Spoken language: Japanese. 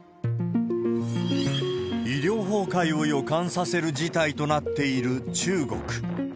医療崩壊を予感させる事態となっている中国。